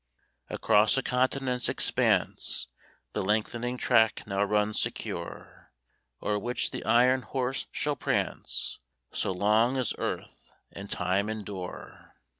Across a continent's expanse, The lengthening track now runs secure, O'er which the Iron Horse shall prance, So long as earth and time endure!